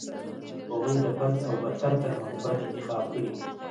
هغوی د بد او بدتر ترمنځ بد انتخاب کړي.